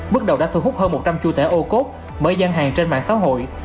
bước đầu đã thu hút hơn một trăm linh chú tẻ ô cốt mới gian hàng trên mạng xã hội